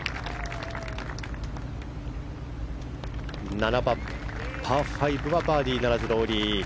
７番、パー５はバーディーならず、ロウリー。